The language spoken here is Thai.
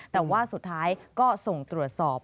แต่ว่าสุดท้ายก็ส่งตรวจสอบ